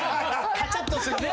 カチャッとするね。